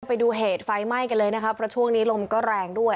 ไปดูเหตุไฟไหม้กันเลยนะคะเพราะช่วงนี้ลมก็แรงด้วย